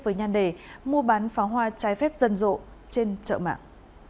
với nhan đề mua bán pháo hoa trái phép dân rộ trên chợ mạng